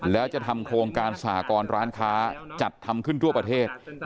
แล้วจะทำโครงการสหกรร้านค้าจัดทำขึ้นทั่วประเทศ